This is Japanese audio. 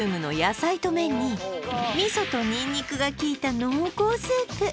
味噌とニンニクがきいた濃厚スープ